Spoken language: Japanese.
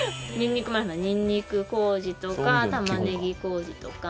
ニンニク麹とか玉ねぎ麹とか。